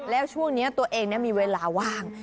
แล้วช่วงนี้ตัวเองมีเวลาว่าง